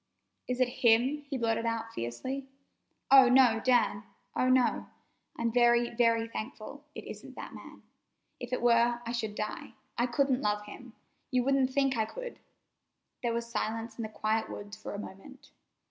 "Is it him?" he blurted out fiercely. "Oh, no, Dan! Oh, no! I'm very, very thankful it isn't that man. If it were, I should die. I couldn't love him. You wouldn't think I could!" There was silence in the quiet woods for a moment.